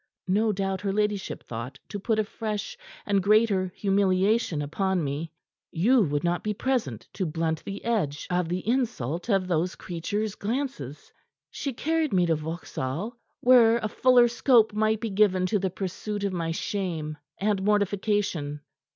No doubt her ladyship thought to put a fresh and greater humiliation upon me; you would not be present to blunt the edge of the insult of those creatures' glances. She carried me to Vauxhall, where a fuller scope might be given to the pursuit of my shame and mortification.